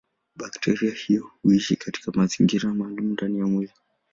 Bakteria hiyo huishi katika mazingira maalumu ndani ya mwili.